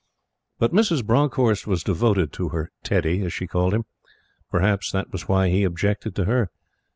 But Mrs. Bronckhorst was devoted to her "teddy," as she called him. Perhaps that was why he objected to her.